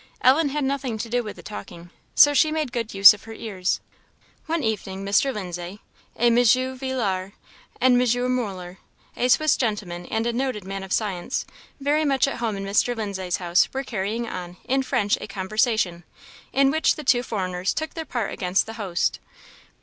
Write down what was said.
Ellen had nothing to do with the talking, so she made good use of her ears. One evening Mr. Lindsay, a M. Villars, and M. Muller, a Swiss gentleman and a noted man of science, very much at home in Mr. Lindsay's house, were carrying on, in French, a conversation, in which the two foreigners took part against their host.